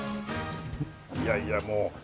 いやいやもう。